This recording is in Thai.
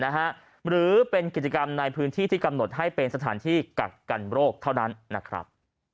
หรือเป็นกิจกรรมในพื้นที่ที่กำหนดให้เป็นสถานที่กักกันโรคเท่านั้นนะครับ